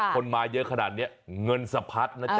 คนมาเยอะขนาดนี้เงินสะพัดนะจ๊